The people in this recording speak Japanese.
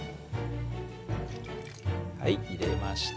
はい入れました。